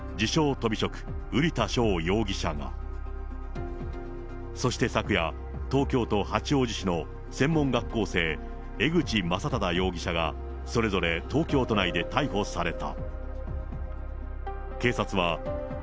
とび職、瓜田翔容疑者が、そして昨夜、東京都八王子市の専門学校生、江口将匡容疑者がそれぞれ東京都内で逮捕された。